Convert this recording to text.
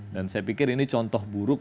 dan saya pikir ini contoh buruk